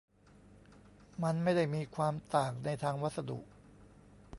มันไม่ได้มีความต่างในทางวัสดุ